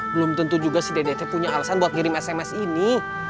belum tentu juga si ddt punya alasan buat ngirim sms ini